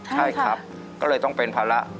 ใช่ครับก็เลยต้องเป็นภาระ